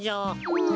うん。